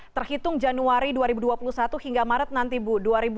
terhitung januari dua ribu dua puluh satu hingga maret nanti bu dua ribu dua puluh